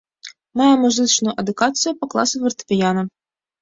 Мае музычную адукацыю па класу фартэпіяна.